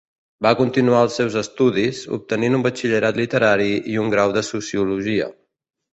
Va continuar els seus estudis, obtenint un batxillerat literari i un grau en sociologia.